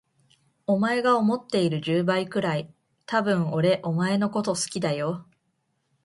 お前が思っている十倍くらい、多分俺お前のこと好きだよ。